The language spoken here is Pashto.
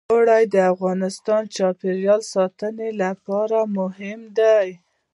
اوړي د افغانستان د چاپیریال ساتنې لپاره مهم دي.